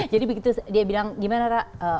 jadi begitu dia bilang gimana ra